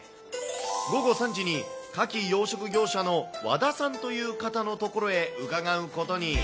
午後３時に、カキ養殖業者の和田さんという方の所へ伺うことに。